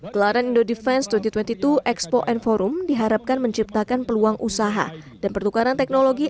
gelaran indo defense dua ribu dua puluh dua expo and forum diharapkan menciptakan peluang usaha dan pertukaran teknologi